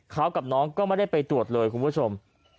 เขากับน้องก็ไม่ได้ไปตรวจเลยคุณผู้ชม